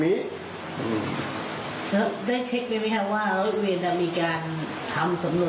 เค้าเคยได้ช่ายรอบนี้นะคะว่ามีการทำสำนวน